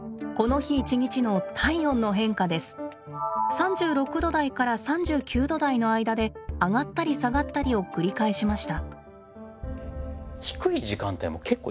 ３６度台から３９度台の間で上がったり下がったりを繰り返しました。